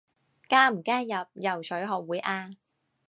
加唔加入游水學會啊？